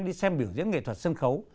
đi xem biểu diễn nghệ thuật sân khấu